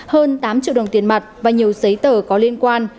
hơn tám triệu đồng tiền mặt và nhiều giấy tờ có liên quan